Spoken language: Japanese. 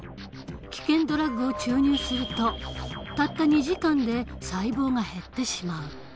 危険ドラッグを注入するとたった２時間で細胞が減ってしまう。